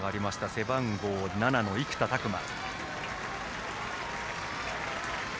背番号７の生田琢真。